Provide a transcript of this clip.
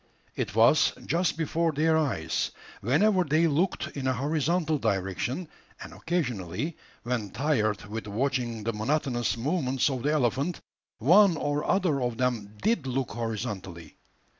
It was just before their eyes, whenever they looked in a horizontal direction; and occasionally, when tired with watching the monotonous movements of the elephant, one or other of them did look horizontally.